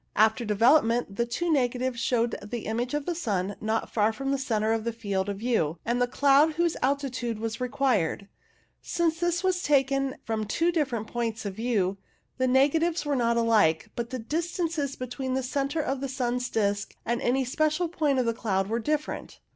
After development the two negatives showed the image of the sun, not far from the centre of the field of view, and the cloud whose altitude was 144 CLOUD ALTITUDES required. Since this was taken from two different points of view, the negatives were not alike, but the distances between the centre of the sun's disc and any special point of the cloud were different.